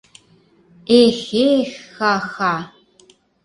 Эх-э-эх-ха-ха...